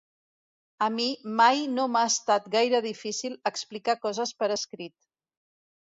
A mi mai no m'ha estat gaire difícil explicar coses per escrit.